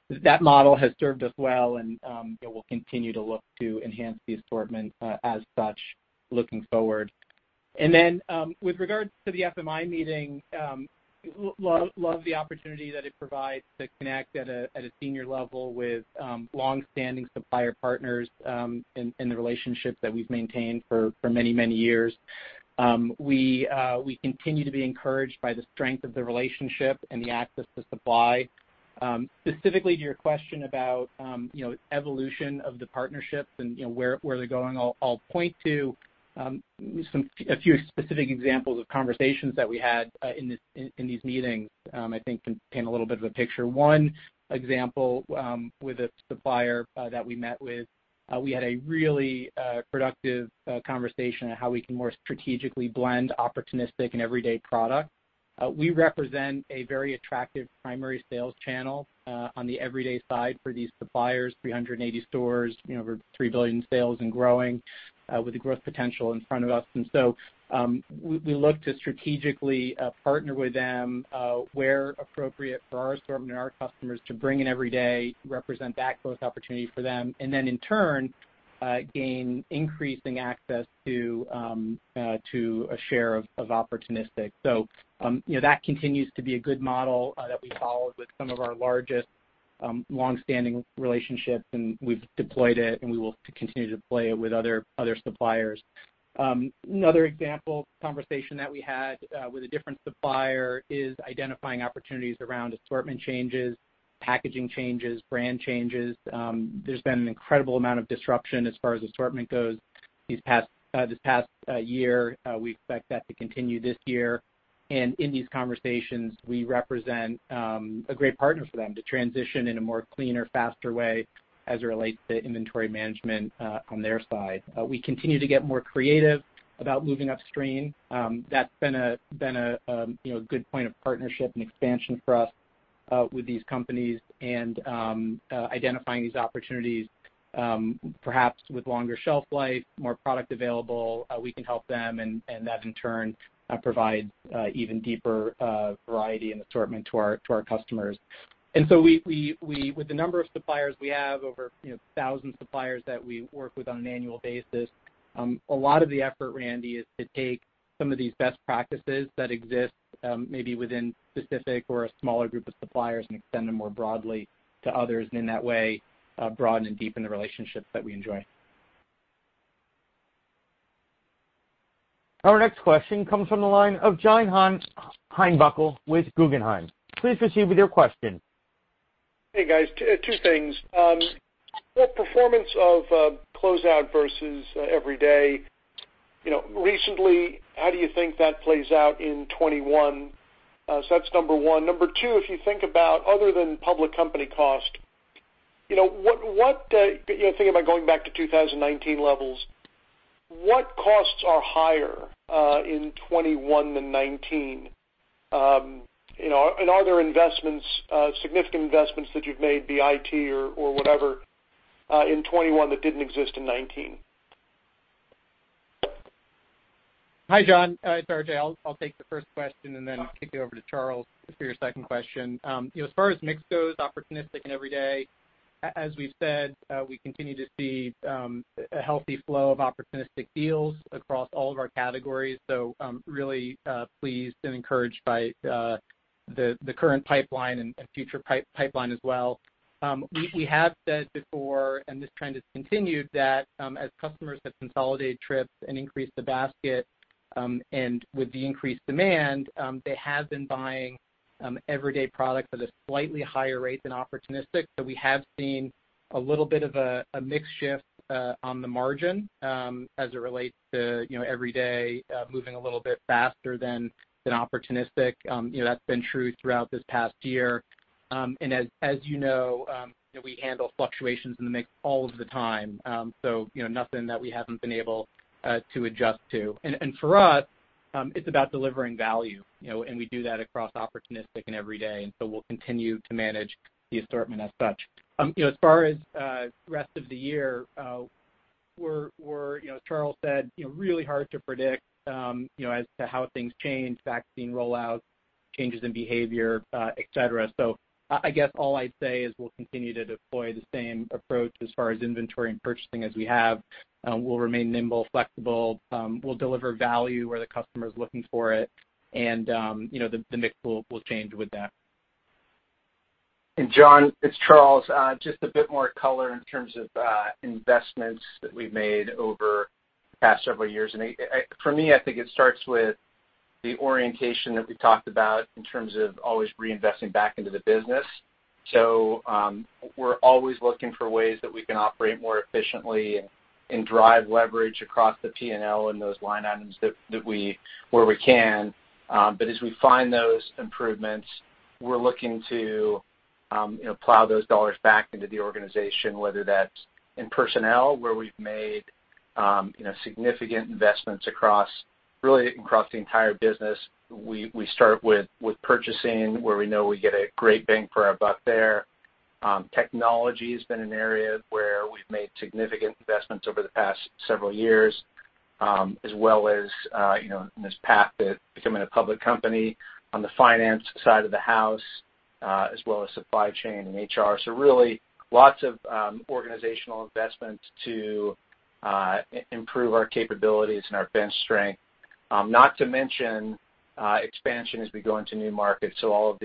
That model has served us well, and we'll continue to look to enhance the assortment as such looking forward. With regards to the FMI meeting, love the opportunity that it provides to connect at a senior level with longstanding supplier partners in the relationship that we've maintained for many, many years. We continue to be encouraged by the strength of the relationship and the access to supply. Specifically to your question about evolution of the partnerships and where they're going, I'll point to a few specific examples of conversations that we had in these meetings I think can paint a little bit of a picture. One example with a supplier that we met with, we had a really productive conversation on how we can more strategically blend opportunistic and everyday product. We represent a very attractive primary sales channel on the everyday side for these suppliers, 380 stores, over $3 billion in sales and growing, with the growth potential in front of us. We look to strategically partner with them where appropriate for our assortment and our customers to bring in every day, represent back both opportunities for them, and then in turn, gain increasing access to a share of opportunistic. That continues to be a good model that we follow with some of our largest longstanding relationships, and we've deployed it, and we will continue to deploy it with other suppliers. Another example conversation that we had with a different supplier is identifying opportunities around assortment changes, packaging changes, brand changes. There's been an incredible amount of disruption as far as assortment goes this past year. We expect that to continue this year. In these conversations, we represent a great partner for them to transition in a more cleaner, faster way as it relates to inventory management on their side. We continue to get more creative about moving upstream. That's been a good point of partnership and expansion for us with these companies and identifying these opportunities perhaps with longer shelf life, more product available, we can help them, and that in turn provides even deeper variety and assortment to our customers. With the number of suppliers we have, over 1,000 suppliers that we work with on an annual basis, a lot of the effort, Randy, is to take some of these best practices that exist maybe within specific or a smaller group of suppliers and extend them more broadly to others, and in that way, broaden and deepen the relationships that we enjoy. Our next question comes from the line of John Heinbockel with Guggenheim. Please proceed with your question. Hey, guys. Two things. What performance of closeout versus every day recently, how do you think that plays out in 2021? That's number one. Number two, if you think about other than public company cost. Thinking about going back to 2019 levels, what costs are higher in 2021 than 2019? Are there significant investments that you've made, be IT or whatever, in 2021 that didn't exist in 2019? Hi, John. It's RJ. I'll take the first question and then kick it over to Charles for your second question. As far as mix goes, opportunistic and everyday, as we've said, we continue to see a healthy flow of opportunistic deals across all of our categories. Really pleased and encouraged by the current pipeline and future pipeline as well. We have said before, and this trend has continued, that as customers have consolidated trips and increased the basket, and with the increased demand, they have been buying everyday products at a slightly higher rate than opportunistic. We have seen a little bit of a mix shift on the margin as it relates to everyday moving a little bit faster than opportunistic. That's been true throughout this past year. As you know, we handle fluctuations in the mix all of the time, nothing that we haven't been able to adjust to. For us, it's about delivering value, and we do that across opportunistic and everyday, we'll continue to manage the assortment as such. As far as rest of the year, as Charles said, really hard to predict as to how things change, vaccine rollouts, changes in behavior, et cetera. I guess all I'd say is we'll continue to deploy the same approach as far as inventory and purchasing as we have. We'll remain nimble, flexible. We'll deliver value where the customer's looking for it and the mix will change with that. John, it's Charles. Just a bit more color in terms of investments that we've made over the past several years. For me, I think it starts with the orientation that we talked about in terms of always reinvesting back into the business. We're always looking for ways that we can operate more efficiently and drive leverage across the P&L and those line items where we can. As we find those improvements, we're looking to plow those dollars back into the organization, whether that's in personnel, where we've made significant investments really across the entire business. We start with purchasing, where we know we get a great bang for our buck there. Technology has been an area where we've made significant investments over the past several years, as well as in this path to becoming a public company on the finance side of the house, as well as supply chain and HR. Really, lots of organizational investment to improve our capabilities and our bench strength. Not to mention expansion as we go into new markets. All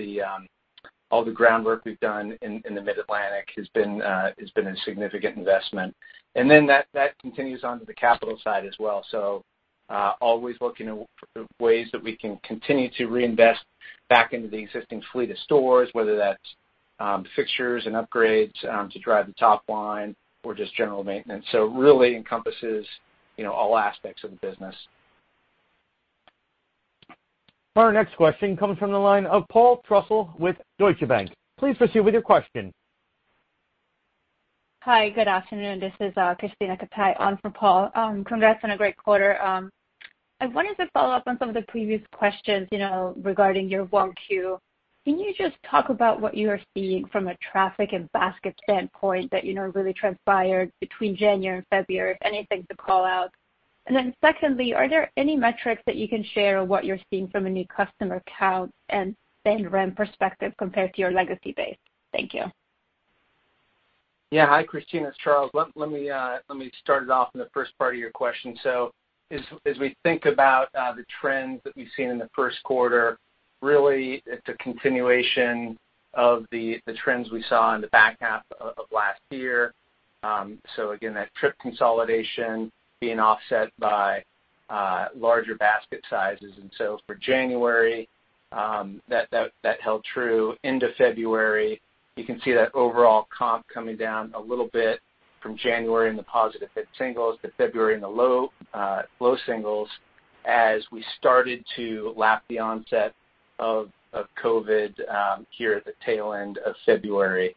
the groundwork we've done in the Mid-Atlantic has been a significant investment. That continues onto the capital side as well. Always looking at ways that we can continue to reinvest back into the existing fleet of stores, whether that's fixtures and upgrades to drive the top line or just general maintenance. It really encompasses all aspects of the business. Our next question comes from the line of Paul Trussell with Deutsche Bank. Please proceed with your question. Hi, good afternoon. This is Christina Kapay on for Paul. Congrats on a great quarter. I wanted to follow up on some of the previous questions regarding your 1Q. Can you just talk about what you are seeing from a traffic and basket standpoint that really transpired between January and February, if anything to call out? Secondly, are there any metrics that you can share on what you're seeing from a new customer count and spend trend perspective compared to your legacy base? Thank you. Hi, Christina, it's Charles. Let me start it off in the first part of your question. As we think about the trends that we've seen in the first quarter, really it's a continuation of the trends we saw in the back half of last year. Again, that trip consolidation being offset by larger basket sizes. For January, that held true into February. You can see that overall comp coming down a little bit from January in the positive mid-singles to February in the low singles as we started to lap the onset of COVID here at the tail end of February.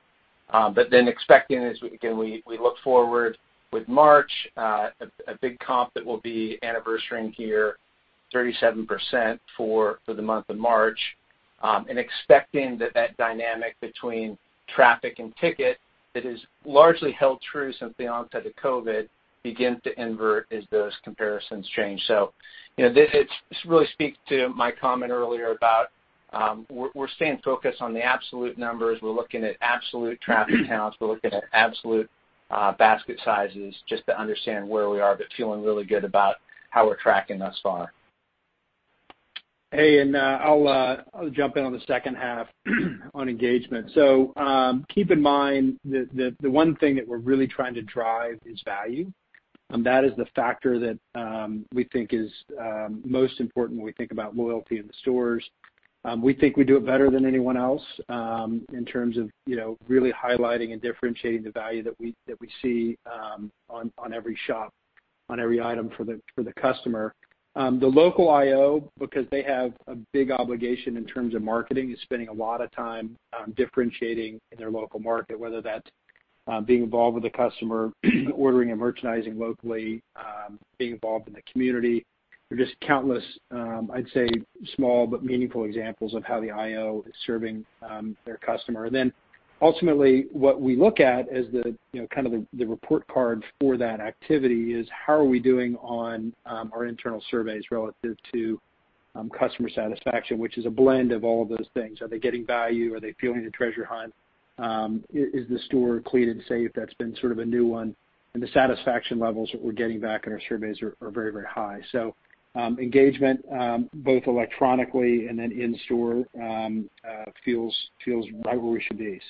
Expecting as, again, we look forward with March, a big comp that will be anniversarying here 37% for the month of March. Expecting that dynamic between traffic and ticket that has largely held true since the onset of COVID begin to invert as those comparisons change. This really speaks to my comment earlier about we're staying focused on the absolute numbers. We're looking at absolute traffic counts. We're looking at absolute basket sizes just to understand where we are, but feeling really good about how we're tracking thus far. Hey, I'll jump in on the second half on engagement. Keep in mind the one thing that we're really trying to drive is value. That is the factor that we think is most important when we think about loyalty in the stores. We think we do it better than anyone else in terms of really highlighting and differentiating the value that we see on every shop. On every item for the customer. The local IO, because they have a big obligation in terms of marketing, is spending a lot of time differentiating in their local market, whether that's being involved with the customer, ordering and merchandising locally, being involved in the community. There are just countless, I'd say, small but meaningful examples of how the IO is serving their customer. Ultimately, what we look at as the report card for that activity is how are we doing on our internal surveys relative to customer satisfaction, which is a blend of all of those things. Are they getting value? Are they feeling the treasure hunt? Is the store clean and safe? That's been sort of a new one, and the satisfaction levels that we're getting back in our surveys are very, very high. Engagement, both electronically and then in store, feels right where we should be.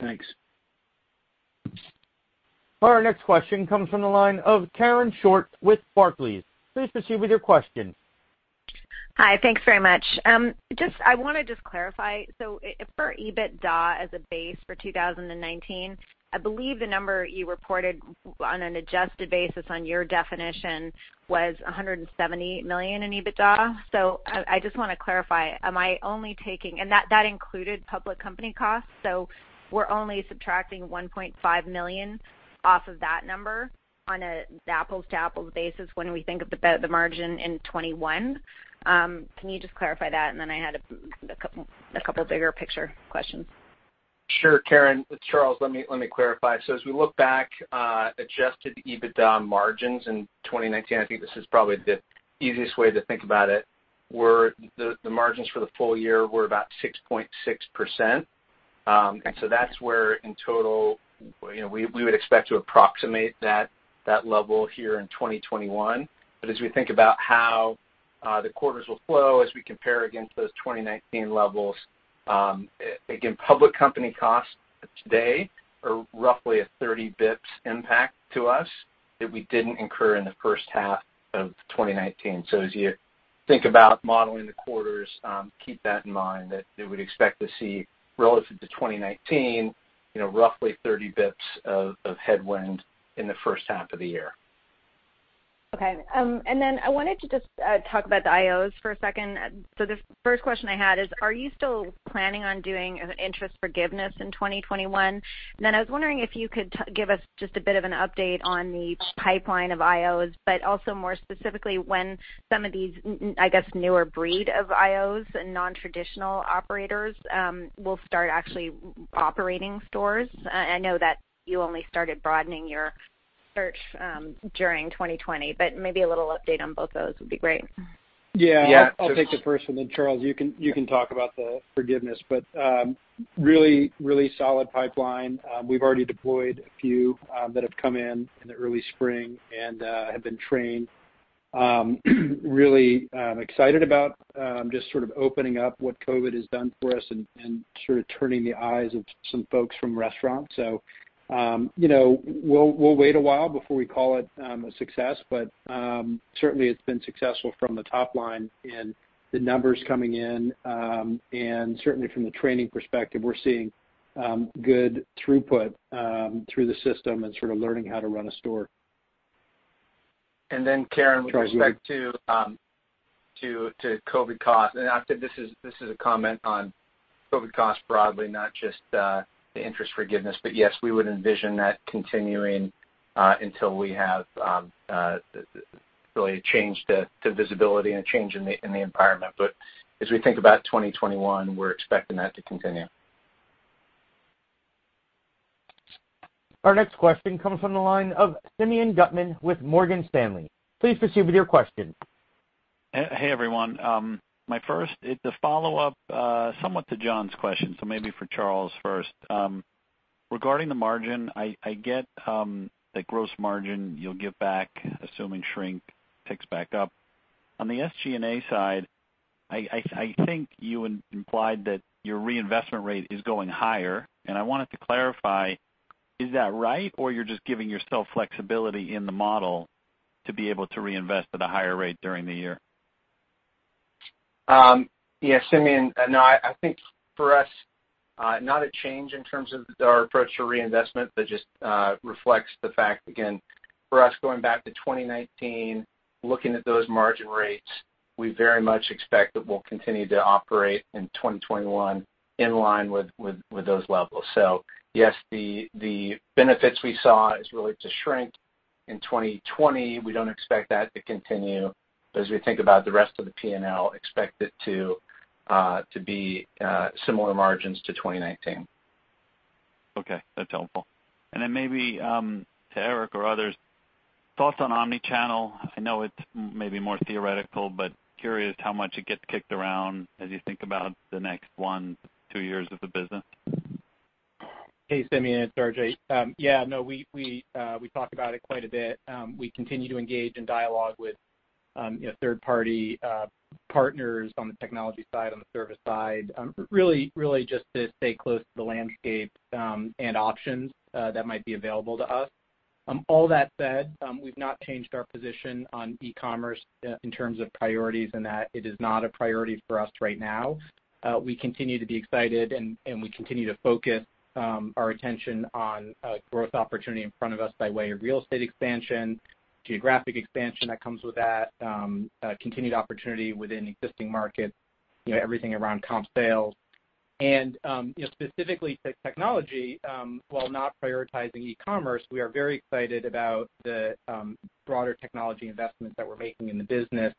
Thanks. Our next question comes from the line of Karen Short with Barclays. Please proceed with your question. Hi. Thanks very much. I want to just clarify, so for EBITDA as a base for 2019, I believe the number you reported on an adjusted basis on your definition was $170 million in EBITDA. I just want to clarify, am I only taking And that included public company costs, so we're only subtracting $1.5 million off of that number on an apples-to-apples basis when we think about the margin in 2021. Can you just clarify that? I had a couple bigger picture questions. Sure, Karen. It's Charles. Let me clarify. As we look back, adjusted EBITDA margins in 2019, I think this is probably the easiest way to think about it, the margins for the full year were about 6.6%. That's where in total, we would expect to approximate that level here in 2021. As we think about how the quarters will flow, as we compare against those 2019 levels, again, public company costs today are roughly a 30 bps impact to us that we didn't incur in the first half of 2019. As you think about modeling the quarters, keep that in mind that we would expect to see, relative to 2019, roughly 30 bps of headwind in the first half of the year. Okay. I wanted to just talk about the IOs for a second. The first question I had is, are you still planning on doing an interest forgiveness in 2021? I was wondering if you could give us just a bit of an update on the pipeline of IOs, but also more specifically, when some of these, I guess, newer breed of IOs and non-traditional operators will start actually operating stores. I know that you only started broadening your search during 2020, but maybe a little update on both those would be great. Yeah. I'll take the first one, then Charles, you can talk about the forgiveness. Really solid pipeline. We've already deployed a few that have come in in the early spring and have been trained. Really excited about just sort of opening up what COVID has done for us and sort of turning the eyes of some folks from restaurants. We'll wait a while before we call it a success, but certainly, it's been successful from the top line and the numbers coming in, and certainly from the training perspective, we're seeing good throughput through the system and sort of learning how to run a store. Karen, with respect to COVID costs, and this is a comment on COVID costs broadly, not just the interest forgiveness, but yes, we would envision that continuing until we have really a change to visibility and a change in the environment. As we think about 2021, we're expecting that to continue. Our next question comes from the line of Simeon Gutman with Morgan Stanley. Please proceed with your question. Hey, everyone. My first is a follow-up somewhat to John's question, maybe for Charles first. Regarding the margin, I get that gross margin you'll give back, assuming shrink ticks back up. On the SG&A side, I think you implied that your reinvestment rate is going higher, I wanted to clarify, is that right, or you're just giving yourself flexibility in the model to be able to reinvest at a higher rate during the year? Yeah, Simeon, no, I think for us, not a change in terms of our approach to reinvestment, but just reflects the fact, again, for us, going back to 2019, looking at those margin rates, we very much expect that we'll continue to operate in 2021 in line with those levels. Yes, the benefits we saw is really due to shrink in 2020. We don't expect that to continue, but as we think about the rest of the P&L, expect it to be similar margins to 2019. Okay, that's helpful. Maybe to Eric or others, thoughts on omnichannel. I know it's maybe more theoretical, curious how much it gets kicked around as you think about the next one, two years of the business. Hey, Simeon. It's RJ. Yeah, no, we talk about it quite a bit. We continue to engage in dialogue with third party partners on the technology side, on the service side. Really just to stay close to the landscape and options that might be available to us. All that said, we've not changed our position on e-commerce in terms of priorities and that it is not a priority for us right now. We continue to be excited and we continue to focus our attention on growth opportunity in front of us by way of real estate expansion, geographic expansion that comes with that, continued opportunity within existing markets, everything around comp sales. Specifically technology, while not prioritizing e-commerce, we are very excited about the broader technology investments that we're making in the business.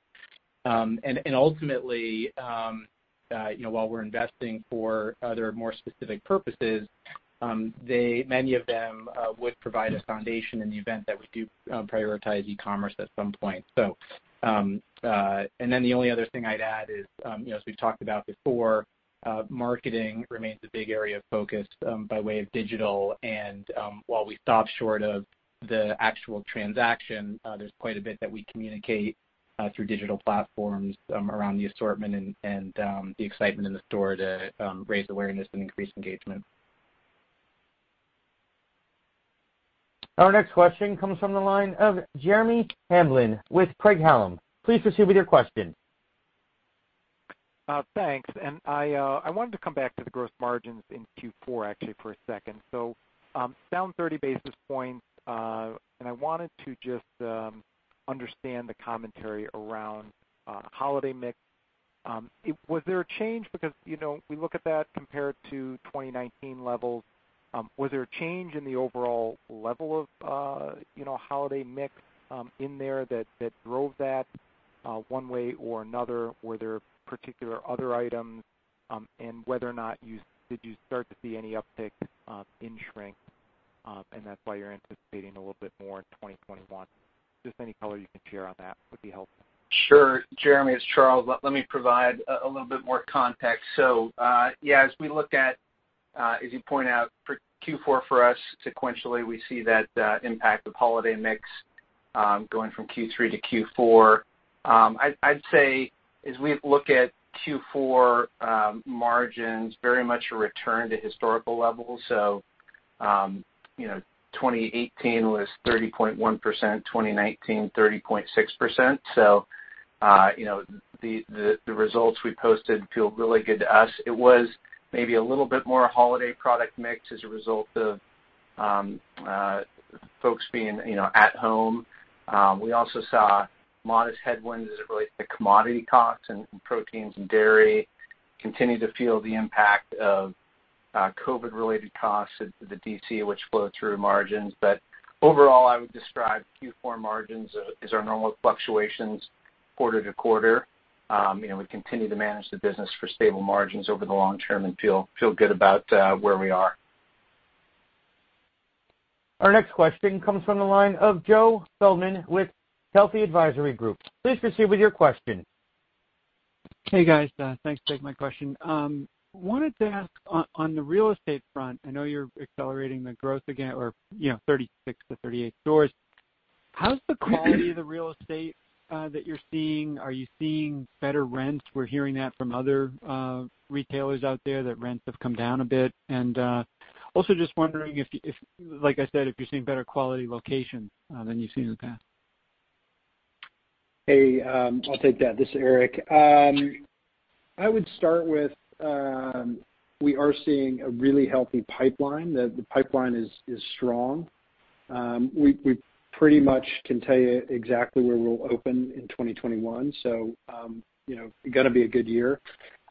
Ultimately, while we're investing for other, more specific purposes, many of them would provide a foundation in the event that we do prioritize e-commerce at some point. Then the only other thing I'd add is, as we've talked about before, marketing remains a big area of focus by way of digital. While we stop short of the actual transaction, there's quite a bit that we communicate through digital platforms around the assortment and the excitement in the store to raise awareness and increase engagement. Our next question comes from the line of Jeremy Hamblin with Craig-Hallum. Please proceed with your question. Thanks. I wanted to come back to the gross margins in Q4 actually for a second. Down 30 basis points. I wanted to just understand the commentary around holiday mix. Was there a change because we look at that compared to 2019 levels, was there a change in the overall level of holiday mix in there that drove that one way or another? Were there particular other items, and whether or not did you start to see any uptick in shrink, and that's why you're anticipating a little bit more in 2021? Just any color you can share on that would be helpful. Sure. Jeremy, it's Charles. Let me provide a little bit more context. Yeah, as we look at, as you point out for Q4 for us sequentially, we see that impact of holiday mix going from Q3 to Q4. I'd say as we look at Q4 margins, very much a return to historical levels. 2018 was 30.1%, 2019, 30.6%. The results we posted feel really good to us. It was maybe a little bit more holiday product mix as a result of folks being at home. We also saw modest headwinds as it relates to commodity costs and proteins and dairy continue to feel the impact of COVID related costs at the DC, which flow through margins. Overall, I would describe Q4 margins as our normal fluctuations quarter to quarter. We continue to manage the business for stable margins over the long term and feel good about where we are. Our next question comes from the line of Joe Feldman with Telsey Advisory Group. Please proceed with your question. Hey, guys. Thanks for taking my question. Wanted to ask on the real estate front, I know you're accelerating the growth again or 36 to 38 stores. How's the quality of the real estate that you're seeing? Are you seeing better rents? We're hearing that from other retailers out there, that rents have come down a bit. Also just wondering if, like I said, if you're seeing better quality location than you've seen in the past. Hey, I'll take that. This is Eric. I would start with, we are seeing a really healthy pipeline. The pipeline is strong. We pretty much can tell you exactly where we'll open in 2021, going to be a good year.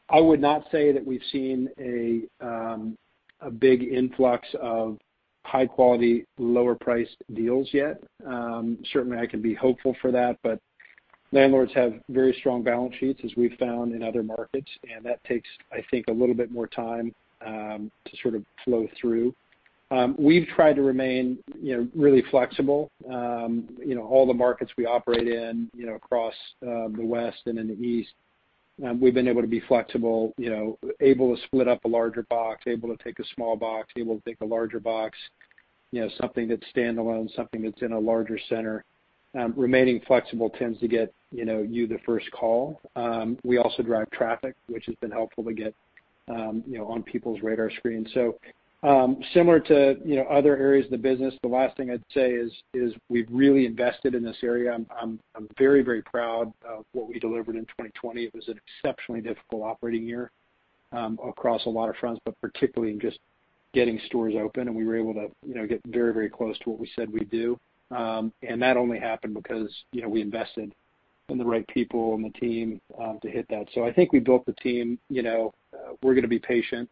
I would not say that we've seen a big influx of high quality, lower priced deals yet. Certainly I can be hopeful for that, landlords have very strong balance sheets as we've found in other markets, that takes, I think, a little bit more time to sort of flow through. We've tried to remain really flexible. All the markets we operate in across the West and in the East, we've been able to be flexible, able to split up a larger box, able to take a small box, able to take a larger box, something that's standalone, something that's in a larger center. Remaining flexible tends to get you the first call. We also drive traffic, which has been helpful to get on people's radar screen. Similar to other areas of the business, the last thing I'd say is we've really invested in this area. I'm very proud of what we delivered in 2020. It was an exceptionally difficult operating year across a lot of fronts, but particularly in just getting stores open and we were able to get very close to what we said we'd do. That only happened because we invested in the right people and the team to hit that. I think we built the team. We're gonna be patient.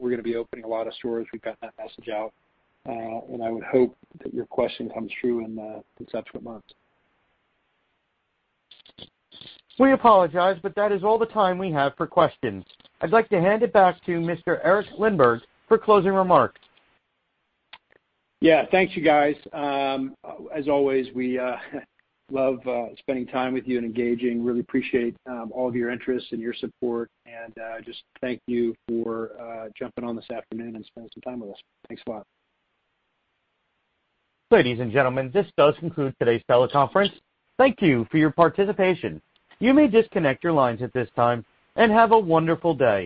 We're gonna be opening a lot of stores. We've got that message out. I would hope that your question comes true in subsequent months. We apologize, but that is all the time we have for questions. I'd like to hand it back to Mr. Eric Lindberg for closing remarks. Thanks you guys. As always, we love spending time with you and engaging. Really appreciate all of your interest and your support and just thank you for jumping on this afternoon and spending some time with us. Thanks a lot. Ladies and gentlemen, this does conclude today's teleconference. Thank you for your participation. You may disconnect your lines at this time, and have a wonderful day.